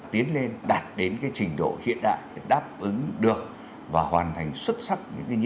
tiến lên đạt đến trình độ hiện đại đáp ứng được và hoàn thành xuất sắc những nhiệm vụ